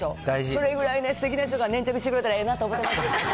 それぐらいすてきな人が粘着してくれたらええなって思ってるんですよ。